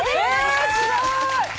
すごーい！